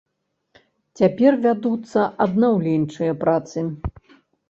Цяпер вядуцца аднаўленчыя працы.